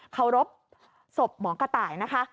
เคารพศพหมอกระต่าย